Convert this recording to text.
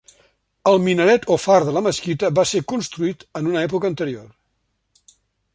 El minaret o far de la mesquita va ser construït en una època anterior.